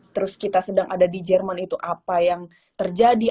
terus kita sedang ada di jerman itu apa yang terjadi